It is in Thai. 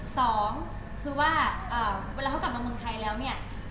สองคือว่าเวลาเขากลับมาเมืองไทยแล้วเนี่ย